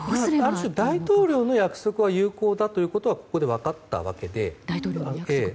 ある種、大統領の約束は有効だとここで分かったわけで。